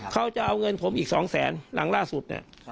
เขาจะเอาเงินผมอีก๒แสนหลังล่าสุดเนี่ย